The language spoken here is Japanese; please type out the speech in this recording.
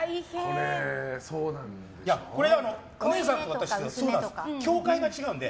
これ、お姉さんと私は協会が違うので。